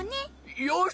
よし！